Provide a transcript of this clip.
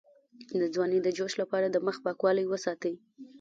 د ځوانۍ د جوش لپاره د مخ پاکوالی وساتئ